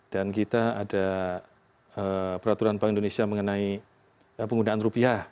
dan kita ada peraturan bank indonesia mengenai penggunaan rupiah